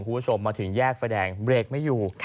คุณผู้ชมมาถึงแยกไฟแดงเบรกไม่อยู่